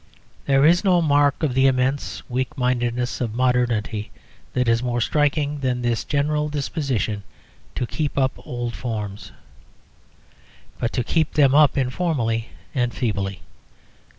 There is no mark of the immense weak mindedness of modernity that is more striking than this general disposition to keep up old forms, but to keep them up informally and feebly.